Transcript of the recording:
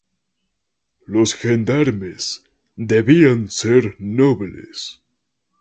Los gendarmes debían ser nobles.